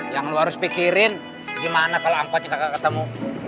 yang lo harus pikirin gimana kalau angkotnya kakak ketemu